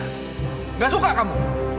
nggak suka kamu